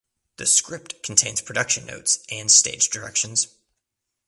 The script contains production notes and stage directions.